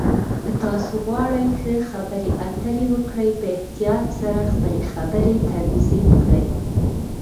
که تاسو غواړئ ښه خبرې اترې وکړئ، په احتیاط سره خپلې خبرې تنظیم کړئ.